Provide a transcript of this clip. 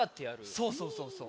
そうそうそうそう。